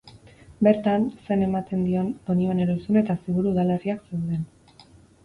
Bertan, zen ematen dion Donibane Lohizune eta Ziburu udalerriak daude.